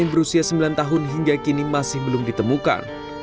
yaitu saudaranya yang berusia sembilan tahun hingga kini masih belum ditemukan